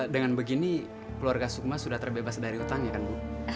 dengan begini keluarga sukma sudah terbebas dari utangnya kan bu